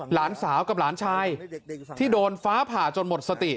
หลานสาวกับหลานชายที่โดนฟ้าผ่าจนหมดสติ